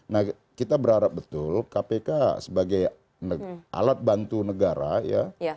nah kita berharap betul kpk sebagai alat bantu negara ya